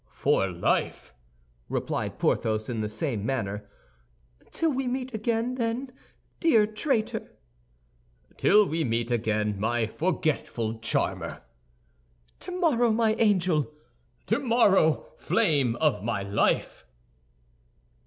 "For life," replied Porthos, in the same manner. "Till we meet again, then, dear traitor!" "Till we meet again, my forgetful charmer!" "Tomorrow, my angel!" "Tomorrow, flame of my life!"